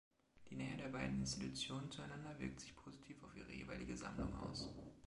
Die Nähe der beiden Institutionen zueinander wirkt sich positiv auf ihre jeweilige Sammlung aus.